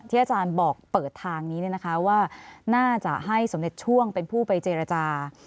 อาจารย์บอกเปิดทางนี้ว่าน่าจะให้สมเด็จช่วงเป็นผู้ไปเจรจา